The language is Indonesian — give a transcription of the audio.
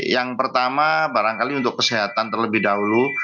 yang pertama barangkali untuk kesehatan terlebih dahulu